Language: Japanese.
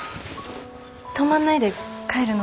泊まんないで帰るの？